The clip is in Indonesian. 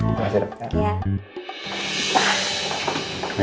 terima kasih dokter